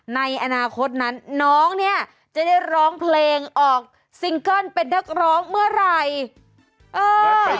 ในอนาคตนั้นน้องเนี่ยจะได้ร้องเพลงออกซิงเกิ้ลเป็นนักร้องเมื่อไหร่